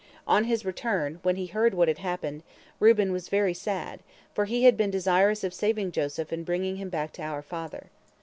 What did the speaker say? On his return, when he heard what had happened, Reuben was very sad, for he had been desirous of saving Joseph and bringing him back to our father.